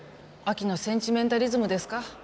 秋のセンチメンタリズムですか？